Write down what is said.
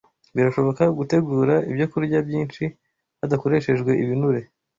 Birashoboka gutegura ibyokurya byinshi hadakoreshejwe ibinure